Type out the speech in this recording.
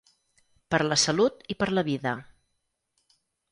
Per la salut i per la vida.